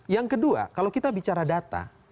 yang kedua kalau kita bicara data